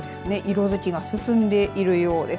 色づきが進んでいるようです。